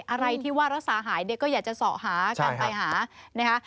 อะไรที่ว่ารักษาหายเนี่ยก็อยากจะสอหากันไปหานะคะ